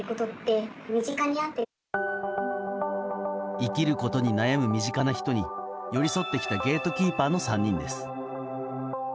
生きることに悩む身近な人に寄り添ってきたゲートキーパーの３人です。